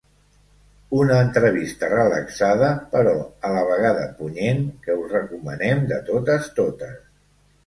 Una entrevista relaxada però a la vegada punyent que us recomanem de totes totes.